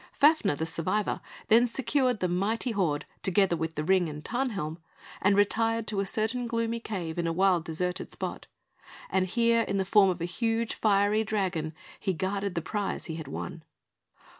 Fafner, the survivor, then secured the mighty hoard, together with the Ring and Tarnhelm, and retired to a certain gloomy cave in a wild, deserted spot; and here, in the form of a huge, fiery dragon, he guarded the prize he had won.